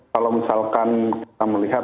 kalau misalkan kita melihat